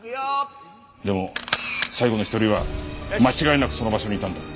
でも最後の１人は間違いなくその場所にいたんだ。